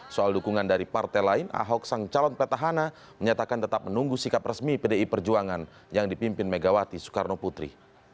soal dukungan dari partai lain ahok sang calon petahana menyatakan tetap menunggu sikap resmi pdi perjuangan yang dipimpin megawati soekarno putri